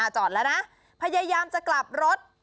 จอดแล้วนะพยายามจะกลับรถ